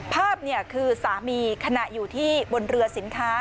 ภาพคือสามีขณะอยู่ที่บนเรือสินค้า